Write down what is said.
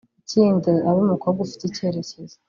ikindi abe umukobwa ufite icyerekezo